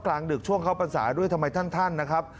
ดึกช่วงเข้าพรรษาด้วยทำไมท่านนะครับ